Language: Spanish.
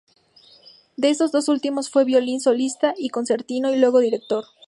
De estas dos últimas fue violín solista y concertino, y luego director.